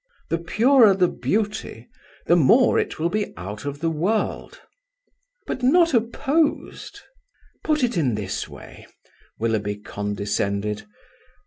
"The purer the beauty, the more it will be out of the world." "But not opposed." "Put it in this way," Willoughby condescended.